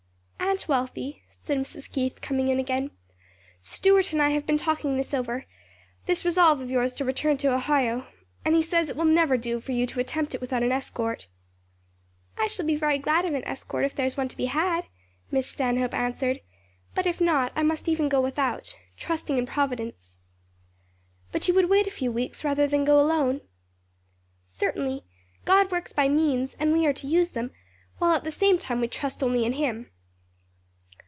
'" "Aunt Wealthy," said Mrs. Keith coming in again, "Stuart and I have been talking this over this resolve of yours to return to Ohio and he says it will never do for you to attempt it without an escort." "I shall be very glad of an escort, if there is one to be had," Miss Stanhope answered; "but if not, I must even go without trusting in Providence." "But you would wait a few weeks rather than go alone?" "Certainly; God works by means, and we are to use them, while at the same time we trust only in him."